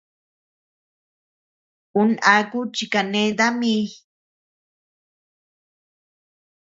Un aku chi kaneta mi.